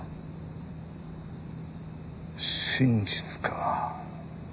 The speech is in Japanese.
真実か。